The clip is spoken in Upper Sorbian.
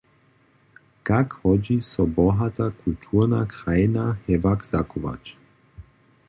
Kak hodźi so bohata kulturna krajina hewak zachować?